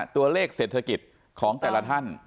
ตัวเลขเศรษฐกิจของแต่ละท่าน